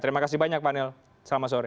terima kasih banyak pak anil selamat sore